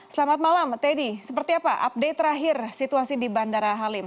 selamat malam teddy seperti apa update terakhir situasi di bandara halim